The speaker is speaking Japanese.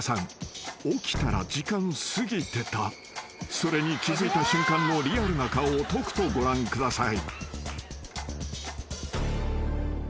［それに気付いた瞬間のリアルな顔をとくとご覧ください］